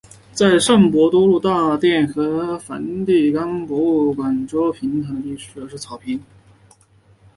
在圣伯多禄大殿和梵蒂冈博物馆周围平坦的地区上主要是草坪。